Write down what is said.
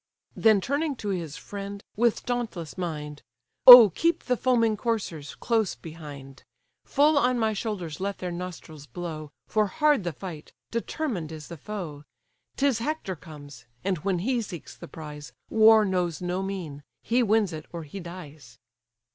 Then turning to his friend, with dauntless mind: "Oh keep the foaming coursers close behind! Full on my shoulders let their nostrils blow, For hard the fight, determined is the foe; 'Tis Hector comes: and when he seeks the prize, War knows no mean; he wins it or he dies."